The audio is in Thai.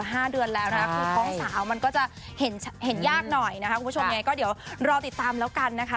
คือท้องสาวมันก็จะเห็นยากหน่อยนะคะคุณผู้ชมยังไงก็เดี๋ยวรอติดตามแล้วกันนะคะ